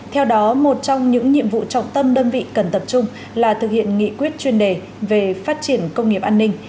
theo đó một trong những nhiệm vụ trọng tâm đơn vị cần tập trung là thực hiện nghị quyết chuyên đề về phát triển công nghiệp an ninh